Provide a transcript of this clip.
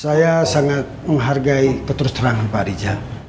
saya sangat menghargai keterterangan pak ridwan